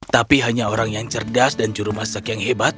tapi hanya orang yang cerdas dan juru masak yang hebat